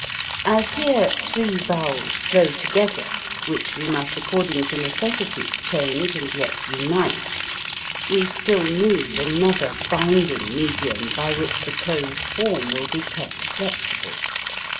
As here three vowels flow together, which we must according to necessity change and yet unite, we still need another binding medium by which the closed form will be kept flexible.